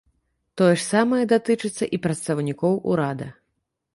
Тое ж самае датычыцца і прадстаўнікоў урада.